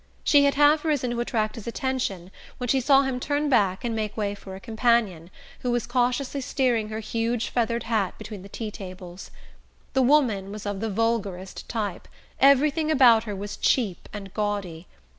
She had half risen to attract his attention when she saw him turn back and make way for a companion, who was cautiously steering her huge feathered hat between the tea tables. The woman was of the vulgarest type; everything about her was cheap and gaudy.